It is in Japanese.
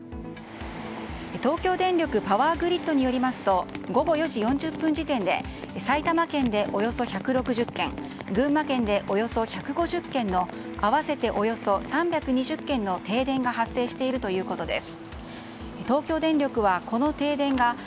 東京電力パワーグリッドによりますと午後４時４０分時点で埼玉県でおよそ１６０軒群馬県でおよそ１５０軒の合わせておよそ３２０軒の停電が発生しているということです。